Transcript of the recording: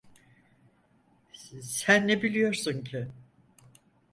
Sen ne biliyorsun ki?